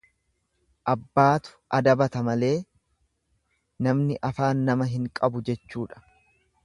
Abbaatu adabata malee namni afaan nama hin qabu jechuudha.